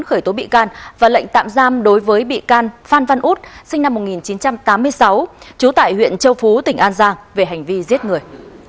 khởi tố bị can và lệnh tạm giam đối với bị can phan văn út sinh năm một nghìn chín trăm tám mươi sáu trú tại huyện châu phú tỉnh an giang về hành vi giết người